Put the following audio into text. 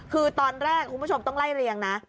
คือตอนแรกคุณผู้ชมต้องไล่เรียงนะ